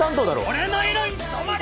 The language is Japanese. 俺の色に染まれ！